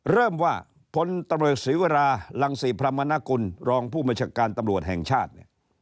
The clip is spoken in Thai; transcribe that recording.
เริ่มว่าพลตำรวจศิริวราห์หลังศรีพรรมนาคุณรองผู้บัญชการตำรวจแห่งชาติ